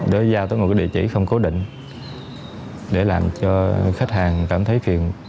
đối với giao tới một cái địa chỉ không cố định để làm cho khách hàng cảm thấy phiền